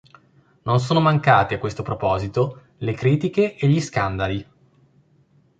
Non sono mancati, a questo proposito, le critiche e gli scandali.